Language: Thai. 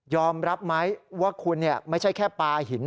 รับไหมว่าคุณไม่ใช่แค่ปลาหิน